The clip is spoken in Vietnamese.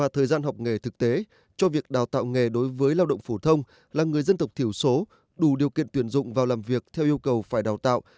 thời gian học nghề thực tế cho việc đào tạo nghề đối với lao động phổ thông là người dân tộc thiểu số đủ điều kiện tuyển dụng vào làm việc theo yêu cầu phải đào tạo